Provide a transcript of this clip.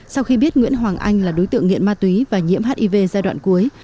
sau khi biết nguyễn hoàng anh là đối tượng nghiện ma túy và nhiễm hiv giai đoạn cuối